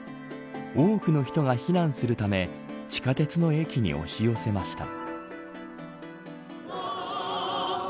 多くの人が避難するため地下鉄の駅に押し寄せました。